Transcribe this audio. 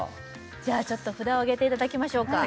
じゃあちょっと札をあげていただきましょうか？